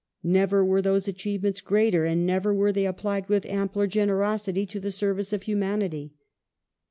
Never were those achievements greater, and never were they applied with ampler generosity to the service of humanity.